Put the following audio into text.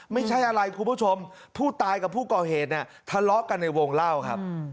ไม่ใช่อะไรคุณผู้ชมผู้ตายกับผู้ก่อเหตุเนี่ยทะเลาะกันในวงเล่าครับ